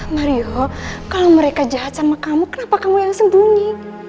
mario kalau mereka jahat sama kamu kenapa kamu yang sembunyi